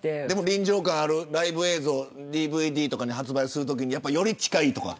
臨場感のあるライブ映像ＤＶＤとかで発売するときにより近いとか。